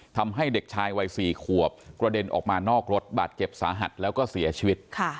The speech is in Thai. ทำให้เด็กชายวัย๔ขวบกระเด็นออกมานอกรถบาดเจ็บสาหัสแล้วก็เสียชีวิต